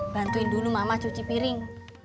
bantuin dulu mama cuci piring